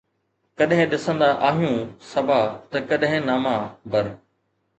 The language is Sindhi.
ڪڏهن ڏسندا آهيون صبا ته ڪڏهن ناما بر